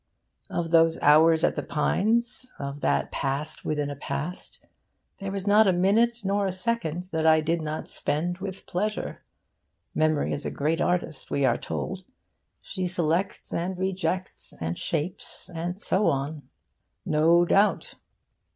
Of those hours at The Pines, of that past within a past, there was not a minute nor a second that I did not spend with pleasure. Memory is a great artist, we are told; she selects and rejects and shapes and so on. No doubt.